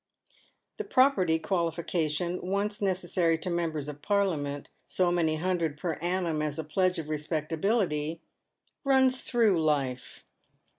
The property qualification, once necessary to members of Parliament — so many hundred per annum as a pledge of respectability — runs through life.